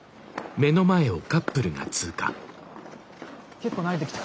結構慣れてきた。